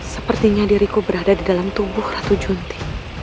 sepertinya diriku berada di dalam tubuh ratu junti